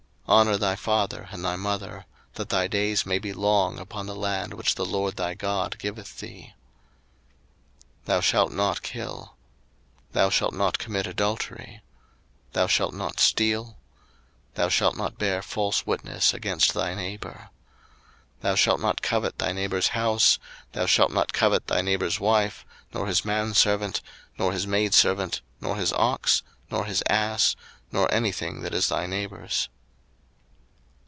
02:020:012 Honour thy father and thy mother: that thy days may be long upon the land which the LORD thy God giveth thee. 02:020:013 Thou shalt not kill. 02:020:014 Thou shalt not commit adultery. 02:020:015 Thou shalt not steal. 02:020:016 Thou shalt not bear false witness against thy neighbour. 02:020:017 Thou shalt not covet thy neighbour's house, thou shalt not covet thy neighbour's wife, nor his manservant, nor his maidservant, nor his ox, nor his ass, nor any thing that is thy neighbour's.